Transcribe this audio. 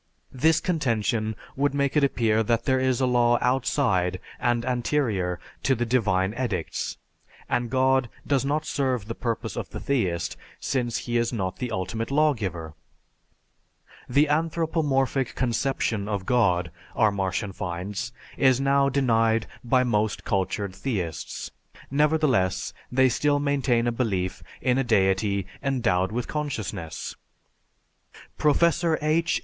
This contention would make it appear that there is a law outside and anterior to the divine edicts, and God does not serve the purpose of the theist since he is not the ultimate lawgiver. The anthropomorphic conception of God, our Martian finds, is now denied by most cultured theists; nevertheless, they still maintain a belief in a deity endowed with consciousness. Professor H.